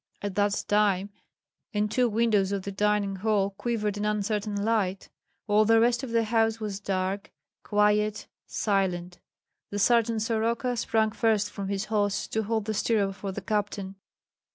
At that time in two windows of the dining hall quivered an uncertain light; all the rest of the house was dark, quiet, silent. The sergeant Soroka sprang first from his horse to hold the stirrup for the captain.